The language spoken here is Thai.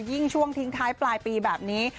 ยิ่งช่วงทิ้งท้ายปลายปีแบบนี้